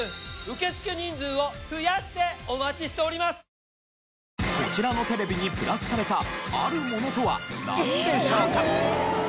だからこちらのテレビにプラスされたあるものとはなんでしょうか？